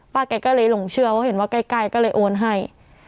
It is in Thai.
แกก็เลยหลงเชื่อว่าเห็นว่าใกล้ก็เลยโอนให้